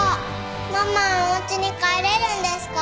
ママはおうちに帰れるんですか？